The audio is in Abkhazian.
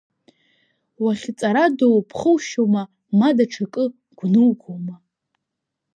Уахьҵарадоу ԥхоушьома, ма даҽакы гәнугома?